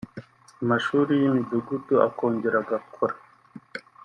amashuri y’imudugudu akongera agakora